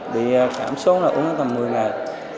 bị cảm xúc là uống tầm một mươi ngày